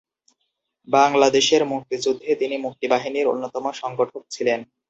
বাংলাদেশের মুক্তিযুদ্ধে তিনি মুক্তিবাহিনীর অন্যতম সংগঠক ছিলেন।